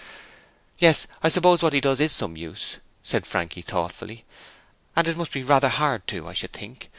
'Yes, I suppose what he does is some use,' said Frankie thoughtfully. 'And it must be rather hard too, I should think.